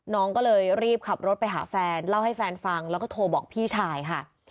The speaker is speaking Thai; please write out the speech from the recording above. น้องก็เลยรีบขับรถไปหาแฟนเล่าให้แฟนฟังแล้วก็โทรบอกพี่ชายค่ะ